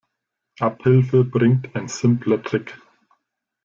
Abhilfe bringt ein simpler Trick.